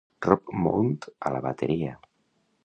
Rob Mount a la bateria.